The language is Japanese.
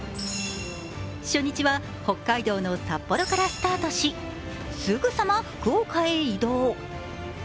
初日は北海道の札幌からスタートしすぐさま福岡へ移動。